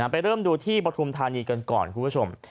เริ่มดูที่ปฐุมธานีกันก่อนคุณผู้ชม